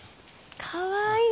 かわいい。